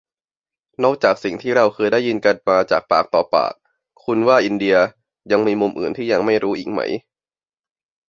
นอกจากสิ่งที่เราเคยได้ยินกันมาจากปากต่อปาก คุณว่า อินเดีย ยังมีมุมอื่นที่ยังไม่รู้อีกไหม ?